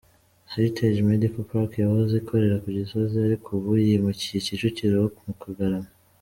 Heritage Medical Park yahoze ikorere ku Gisozi, ariko ubu yimukiye Kicukiro mu Kagarama.